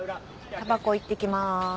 たばこ行ってきまーす。